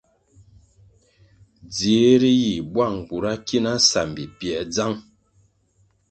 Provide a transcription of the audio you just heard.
Dzihri yih buang bura ki na sambi pięr dzang.